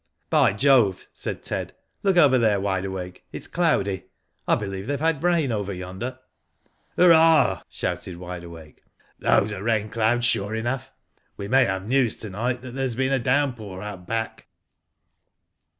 " By Jove," said Ted ;" look over there, Wide Awake. It's cloudy. I believe they've had rain over yonder." " Hurrah !" shouted Wide Awake. " Those are rain clouds sure enough. We may have news to night that there has been a downpour out back."